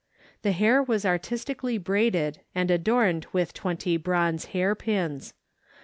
The hair was artistically braided and adorned with twenty bronze hairpins.